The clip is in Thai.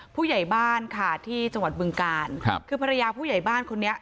ผู้ใหญ่บ้านค่ะที่จังหวัดบึงกาลครับคือภรรยาผู้ใหญ่บ้านคนนี้